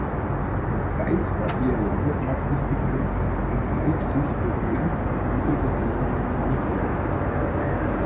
Der Kreis war eher landwirtschaftlich geprägt, wenngleich sich nur Böden mit niedriger Bodenwertzahl vorfanden.